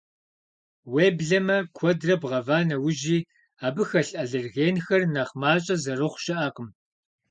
Уеблэмэ, куэдрэ бгъэва нэужьи, абы хэлъ аллергенхэр нэхъ мащӏэ зэрыхъу щыӏэкъым.